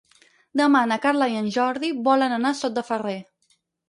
Demà na Carla i en Jordi volen anar a Sot de Ferrer.